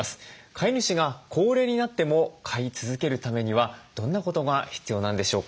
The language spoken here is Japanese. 飼い主が高齢になっても飼い続けるためにはどんなことが必要なんでしょうか。